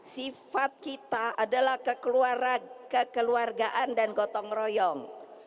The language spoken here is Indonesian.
sifat kita adalah kekeluargaan dan gotong royong